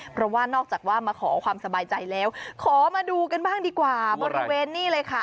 เพราะว่านอกจากว่ามาขอความสบายใจแล้วขอมาดูกันบ้างดีกว่าบริเวณนี้เลยค่ะ